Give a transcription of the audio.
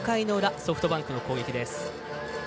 ソフトバンクの攻撃です。